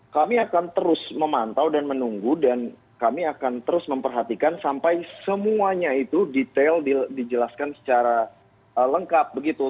kami akan terus memantau dan menunggu dan kami akan terus memperhatikan sampai semuanya itu detail dijelaskan secara lengkap begitu